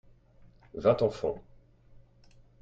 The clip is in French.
Vingt enfants.